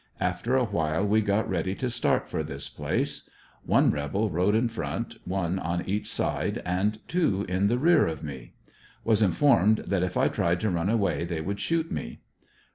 After a w^hile we got ready to start for this place. One rebel rode m front, one on each side and two in the rear of me. Was informed that if I tried to run they would shoot me.